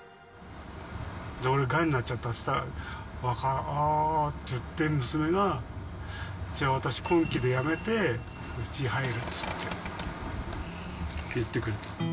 俺、がんになっちゃったって言ったら、ああって言って、娘が、じゃあ、私、今期で辞めてうち入るって言って、言ってくれた。